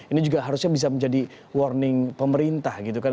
ini juga harusnya bisa menjadi warning pemerintah gitu kan